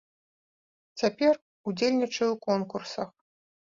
Цяпер удзельнічаю ў конкурсах.